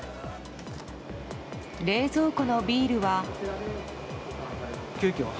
冷蔵庫のビールは。